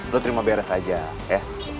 lo terima beres aja ya